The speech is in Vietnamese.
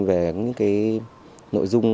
về những cái nội dung